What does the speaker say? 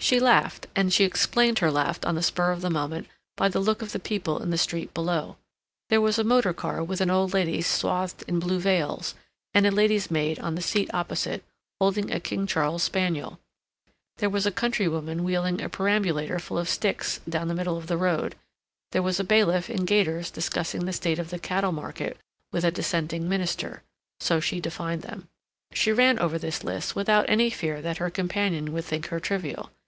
She laughed, and she explained her laugh on the spur of the moment by the look of the people in the street below. There was a motor car with an old lady swathed in blue veils, and a lady's maid on the seat opposite, holding a King Charles's spaniel; there was a country woman wheeling a perambulator full of sticks down the middle of the road; there was a bailiff in gaiters discussing the state of the cattle market with a dissenting minister—so she defined them. She ran over this list without any fear that her companion would think her trivial.